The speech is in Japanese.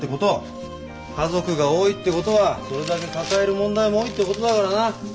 家族が多いってことはそれだけ抱える問題も多いってことだからな。